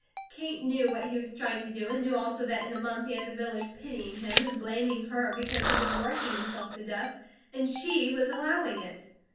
Kate knew what he was trying to do, and knew also that in a month he had the village pitying him, and blaming her because he was working himself to death, and she was allowing it.